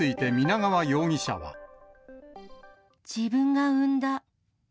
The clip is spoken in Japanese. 自分が産んだ。